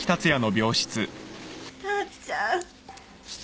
たっちゃん。